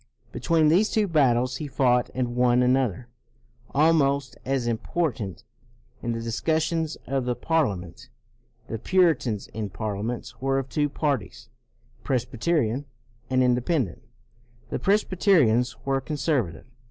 Between these two battles he fought and won another, almost as important, in the discussions of the Parliament. The Puritans in Parliament were of two parties, Presbyterian and Independent. The Presbyterians were conservative.